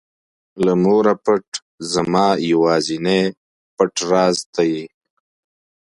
له موره پټ زما یوازینى پټ راز ته وې.